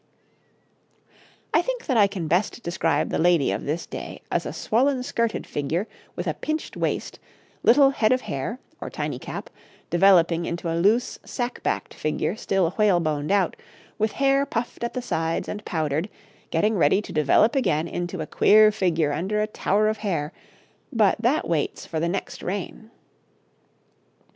I think that I can best describe the lady of this day as a swollen, skirted figure with a pinched waist, little head of hair, or tiny cap, developing into a loose sacque backed figure still whaleboned out, with hair puffed at the sides and powdered, getting ready to develop again into a queer figure under a tower of hair, but that waits for the next reign.